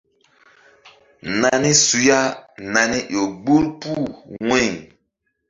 Nani su ya nani ƴo gbur puh wu̧y.